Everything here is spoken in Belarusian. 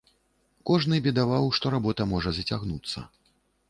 Кожны бедаваў, што работа можа зацягнуцца.